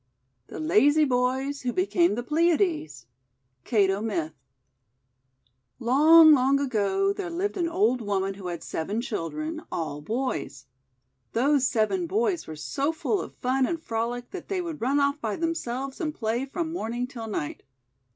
THE LAZY BOYS WHO BECAME THE PLEIADES Caddo Myth LONG, long ago, there lived an old woman who had seven children, all boys. Those seven boys were so full of fun and frolic that they would run off by themselves and play from morning till night.